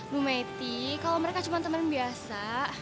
lu meti kalo mereka cuma temen biasa